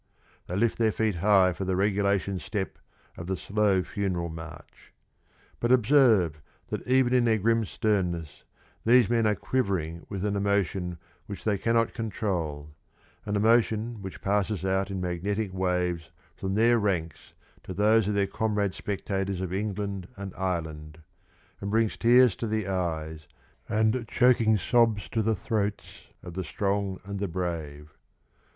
They lift their feet high for the regulation step of the slow, funeral march. But observe that even in their grim sternness these men are quivering with an emotion which they cannot control an emotion which passes out in magnetic waves from their ranks to those of their comrade spectators of England and Ireland, and brings tears to the eyes and choking sobs to the throats of the strong and the brave.